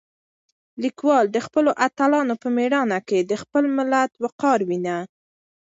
لیکوال د خپلو اتلانو په مېړانه کې د خپل ملت وقار وینه.